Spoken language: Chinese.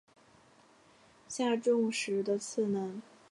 下重实的次男。